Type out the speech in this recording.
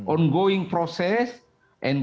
onggoing proses dan